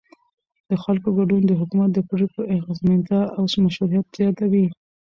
د خلکو ګډون د حکومت د پرېکړو د اغیزمنتیا او مشروعیت زیاتوي